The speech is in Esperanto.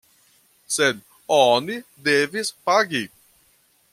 Sed oni devis pagi.